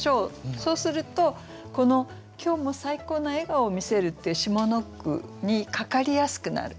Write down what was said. そうするとこの「今日も最高な笑顔を見せる」っていう下の句にかかりやすくなる。